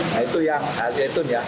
nah itu yang azeh tuhun ya